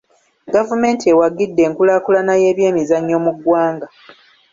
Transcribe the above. Gavumenti ewagidde enkulaakulana y'ebyemizannyo mu ggwanga.